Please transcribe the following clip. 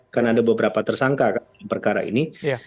kan ada beberapa tersangka dalam perkara ini